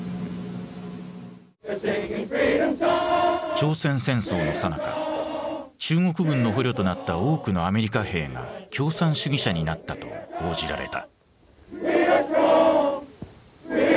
朝鮮戦争のさなか「中国軍の捕虜となった多くのアメリカ兵が共産主義者になった」と報じられた。